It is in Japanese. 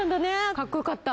かっこよかった。